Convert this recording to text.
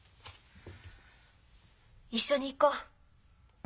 一緒に行こう。